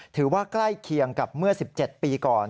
ใกล้เคียงกับเมื่อ๑๗ปีก่อน